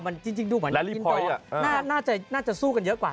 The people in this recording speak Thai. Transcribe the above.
มันจริงดูเหมือนอินโตม่อนน่าจะสู้กันเยอะกว่า